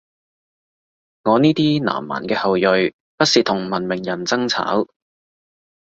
我呢啲南蠻嘅後裔，不屑同文明人爭吵